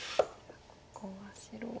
ここは白は。